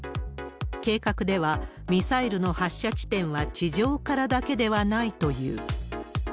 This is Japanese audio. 計画では、ミサイルの発射地点は地上からだけではないという。